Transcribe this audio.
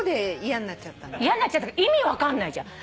嫌んなっちゃったっていうか意味分かんないじゃん。